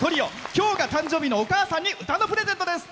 今日が誕生日のお母さんに歌のプレゼントです。